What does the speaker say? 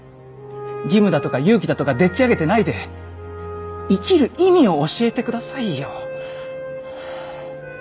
義務だとか勇気だとかでっちあげてないで生きる意味を教えてくださいよ。